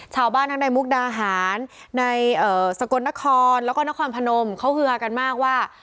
ชาวบ้านทั้งในมุกดาหารในสกลนครแล้วก็นครพนมเขาฮือกันมากว่า